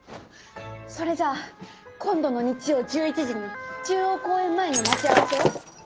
それじゃあ今度の日曜１１時に中央公園前に待ち合わせよ。